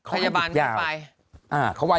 พยาบาลไม่ไป